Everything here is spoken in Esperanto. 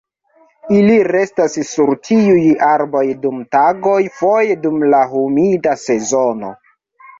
Ili restas sur tiuj arboj dum tagoj foje dum la humida sezono.